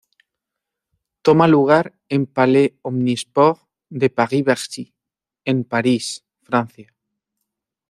Toma lugar en Palais Omnisports de Paris-Bercy en París, Francia.